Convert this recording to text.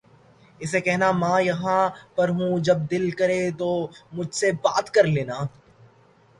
اسے کہنا ماں یہاں پر ہوں جب دل کرے تو مجھ سے بات کر لینا